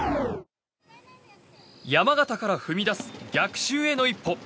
山形から踏み出す逆襲への一歩。